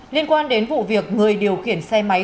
liên quan đến vụ việc người điều khiển xe máy